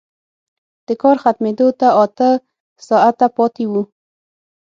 د کار ختمېدو ته اته ساعته پاتې وو